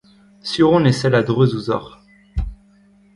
Sur on e sell a-dreuz ouzhoc'h.